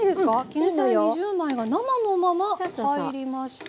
絹さや２０枚が生のまま入りました。